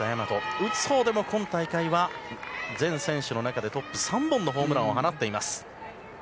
打つほうでも今大会は全選手の中でもトップ３本のホームランを放っています。